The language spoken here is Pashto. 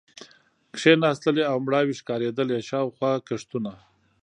کېناستلې او مړاوې ښکارېدلې، شاوخوا کښتونه.